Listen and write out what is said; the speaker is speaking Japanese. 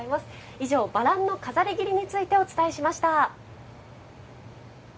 以上バランの飾り切りについてお伝えしました。